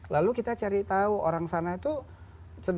lalu kita cari tau orang sana tuh